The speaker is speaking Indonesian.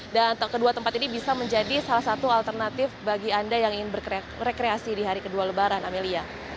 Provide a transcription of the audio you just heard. dan kedua tempat ini bisa menjadi salah satu alternatif bagi anda yang ingin berkreasi di hari kedua lebaran amelia